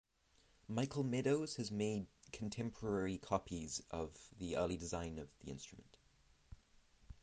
Michael Meadows has made contemporary copies of the early design of the instrument.